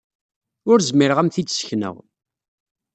Ur zmireɣ ad m-t-id-ssekneɣ.